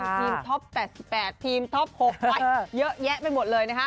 ทีมท็อป๘๘ทีมท็อป๖เยอะแยะไปหมดเลย